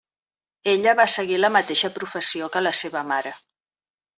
Ella va seguir la mateixa professió que la seva mare.